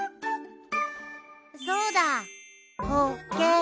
そうだ！